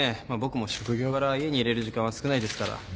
まあ僕も職業柄家にいれる時間は少ないですから。